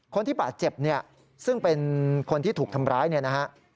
คนที่บาดเจ็บเนี่ยซึ่งเป็นคนที่ถูกทำร้ายเนี่ยนะฮะ